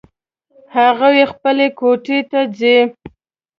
هغه خپلې کوټې ته ځي